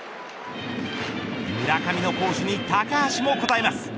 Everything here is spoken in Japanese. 村上の好守に高橋も応えます。